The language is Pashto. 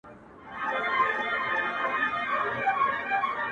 چي باد مي ستا له لاري څخه پلونه تښتوي-